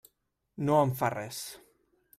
No em fa res.